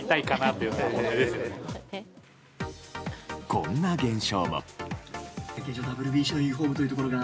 こんな現象も。